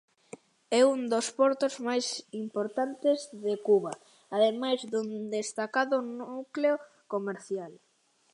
É un dos portos máis importantes de Cuba, ademais dun destacado núcleo comercial.